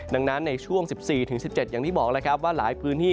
ดังนั้นในช่วง๑๔๑๗อย่างที่บอกแล้วครับว่าหลายพื้นที่